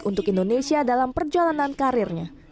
untuk indonesia dalam perjalanan karirnya